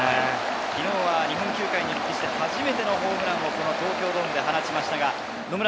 昨日は日本球界に復帰して初めてのホームランを東京ドームで放ちました。